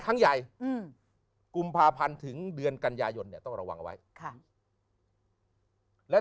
ทั้งใหญ่กุมภาพันธ์ถึงเดือนกัญญายนต์เนี่ยต้องระวังไว้และ